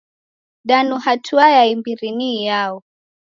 Danu hatua ya imbiri ni iyao?